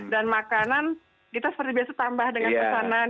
dan makanan kita seperti biasa tambah dengan pesanan